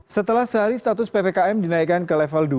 setelah sehari status ppkm dinaikkan ke level dua